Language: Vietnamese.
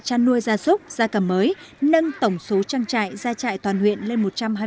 chăn nuôi gia súc gia cầm mới nâng tổng số trang trại gia trại toàn huyện lên một trăm hai mươi